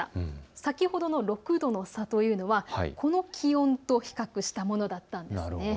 先ほどの６度の差というのはこの気温と比較したものだったんですね。